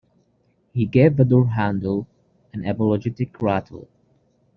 He gave the door handle an apologetic rattle.